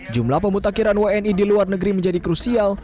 jumlah pemutakhiran wni di luar negeri menjadi krusial